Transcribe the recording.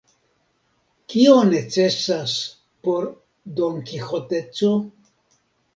Kio necesas por donkiĥoteco?